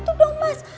gitu dong mas